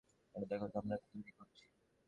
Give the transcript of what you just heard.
এটা দেখো, আমরা তৈরি করছি।